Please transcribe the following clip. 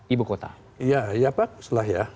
ibu kota iya ya pak setelah ya